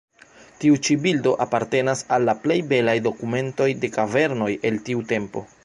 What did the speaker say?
Tiu ĉi bildo apartenas al la plej belaj dokumentoj de kavernoj el tiu tempo.